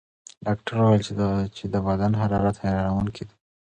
ډاکټره وویل چې د بدن حرارت حیرانوونکی دی.